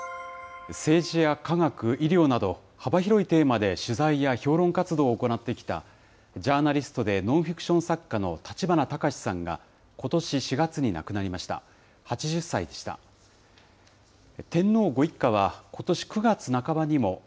政治や科学、医療など、幅広いテーマで取材や評論活動を行ってきた、ジャーナリストでノンフィクション作家の立花隆さんが、ことし４月に亡くなりました。